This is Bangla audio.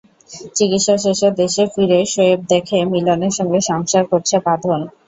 চিকিৎসা শেষে দেশে ফিরে শোয়েব দেখে, মিলনের সঙ্গে সংসার করছে বাঁধন।